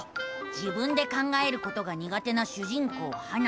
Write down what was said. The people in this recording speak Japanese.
自分で考えることがにが手な主人公ハナ。